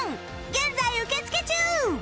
現在受け付け中！